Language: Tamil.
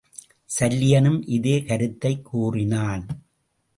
சல்லியனும் இதே கருத்தைக் கூறினான்.